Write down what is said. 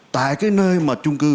tại cái nơi mà chung cư bị bệnh